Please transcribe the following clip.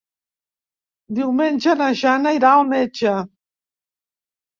Diumenge na Jana irà al metge.